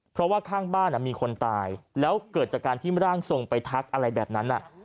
เพราะว่าข้างบ้านมีคนตายแล้วเกิดจากการที่ร่างทรงไปทักอะไรแบบนั้น